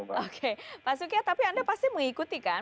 oke pak sukya tapi anda pasti mengikuti kan